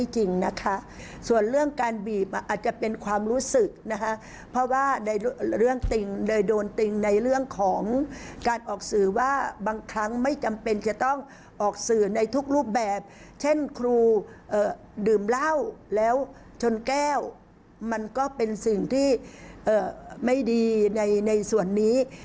เช่นครูดื่มเหล้าแล้วชนแก้วมันก็เป็นสิ่งที่ไม่ดีในส่วนนี้